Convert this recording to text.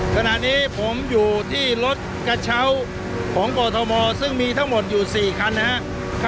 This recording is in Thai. ขณะนี้ผมอยู่ที่รถกระเช้าของกรทมซึ่งมีทั้งหมดอยู่๔คันนะครับ